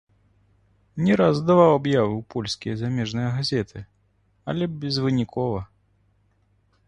Не раз даваў аб'явы ў польскія і замежныя газеты, але безвынікова.